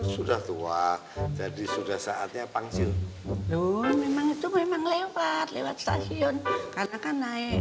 sudah tua jadi sudah saatnya pangsil memang itu memang lewat lewat stasiun karena kan naik